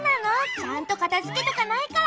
ちゃんとかたづけとかないから。